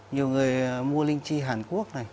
nhiều người mua linh chi hàn quốc này